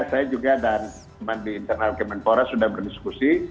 saya juga dan teman di internal kemenpora sudah berdiskusi